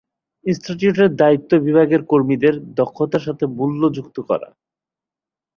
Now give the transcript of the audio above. ইনস্টিটিউটের দায়িত্ব বিভাগের কর্মীদের দক্ষতার সাথে মূল্য যুক্ত করা।